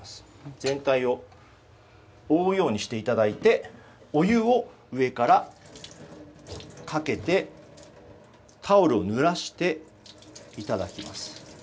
全体を覆うようにしていただいてお湯を上からかけてタオルをぬらしていただきます。